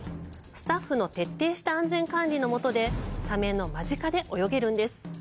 スタッフの徹底した安全管理のもとでサメの間近で泳げるんです。